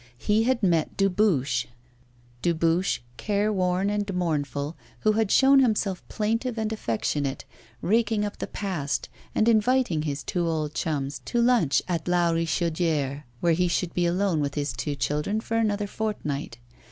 He had met Dubuche Dubuche, careworn and mournful, who had shown himself plaintive and affectionate, raking up the past and inviting his two old chums to lunch at La Richaudière, where he should be alone with his two children for another fortnight.